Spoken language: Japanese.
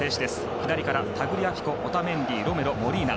左からタグリアフィコオタメンディ、ロメロモリーナ。